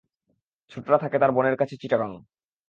ছোটটা থাকে তার বোনের কাছে চিটাগাং।